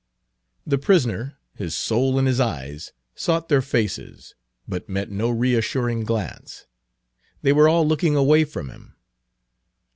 The prisoner, his soul in his eyes, sought their faces, but met no reassuring glance; they were all looking away from him.